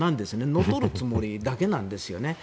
乗っ取るつもりだけなんですよね。